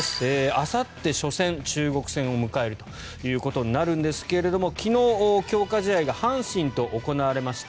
あさって初戦中国戦を迎えるということになるんですが昨日、強化試合が阪神と行われました。